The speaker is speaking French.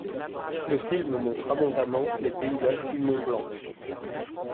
Le film montre abondamment les paysages du mont Blanc.